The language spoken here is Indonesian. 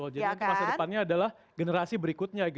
jadi masa depannya adalah generasi berikutnya